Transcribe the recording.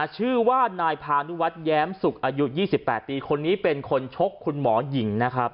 ชื่อว่านายพานุวัฒน์แย้มสุกอายุ๒๘ปีคนนี้เป็นคนชกคุณหมอหญิงนะครับ